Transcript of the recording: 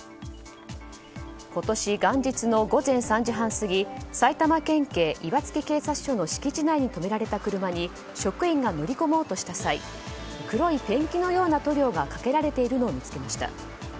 今年元日の午前３時半過ぎ埼玉県警岩槻署の敷地内に止められた車に職員が乗り込もうとした際黒いペンキのような塗料がかけられているのを見つけました。